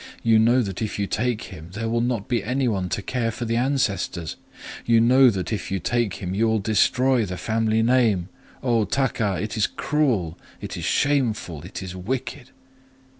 You know that if you take him there will not be any one to care for the ancestors. You know that if you take him, you will destroy the family name! O Taka, it is cruel! it is shameful! it is wicked!'